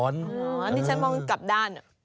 อ้อนี่ฉันง่วงกับด้าน